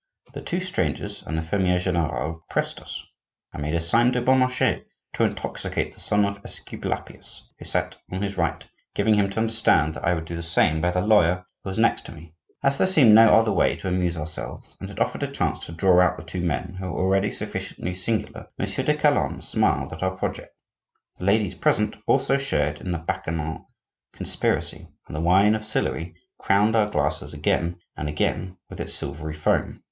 The two strangers and the fermier general oppressed us. I made a sign to Beaumarchais to intoxicate the son of Esculapius, who sat on his right, giving him to understand that I would do the same by the lawyer, who was next to me. As there seemed no other way to amuse ourselves, and it offered a chance to draw out the two men, who were already sufficiently singular, Monsieur de Calonne smiled at our project. The ladies present also shared in the bacchanal conspiracy, and the wine of Sillery crowned our glasses again and again with its silvery foam.